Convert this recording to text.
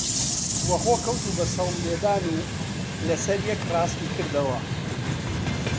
وە خۆ کەوت و بە سەوڵ لێدان و لەسەر یەک ڕاستی کردەوە